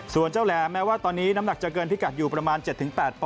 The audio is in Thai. ส่วนเจ้าแหลมแม้ว่าตอนนี้น้ำหนักจะเกินพิกัดอยู่ประมาณ๗๘ปอน